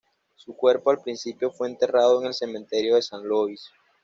Su cuerpo al principio fue enterrado en el Cementerio de San Louis.